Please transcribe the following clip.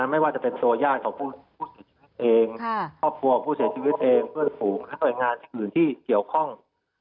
ไม่ว่าจะเป็นตัวย่างของผู้เสียชีวิตเองครับครับคุณพ่อผู้เสียชีวิตเองเพื่อนผู้นะต่องานหลุนที่เกี่ยวข้อง